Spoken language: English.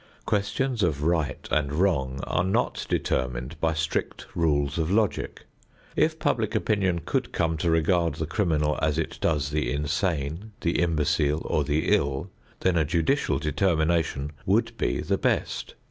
Questions of right and wrong are not determined by strict rules of logic. If public opinion could come to regard the criminal as it does the insane, the imbecile, or the ill, then a judicial determination would be the best.